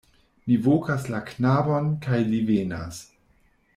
Mi vokas la knabon, kaj li venas.